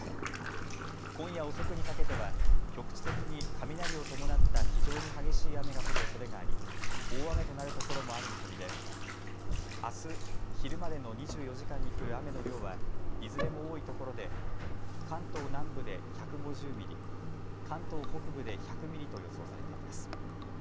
今夜遅くにかけては局地的に雷を伴った非常に激しい雨が降るおそれがあり大雨となるところもある見込みであす昼までの２４時間に降る雨の量はいずれも多いところで関東南部で１５０ミリ、関東北部で１００ミリと予想されています。